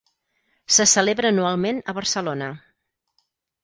Se celebra anualment a Barcelona.